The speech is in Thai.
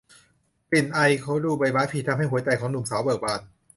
กลิ่นไอฤดูใบไม้ผลิทำให้หัวใจของหนุ่มสาวเบิกบาน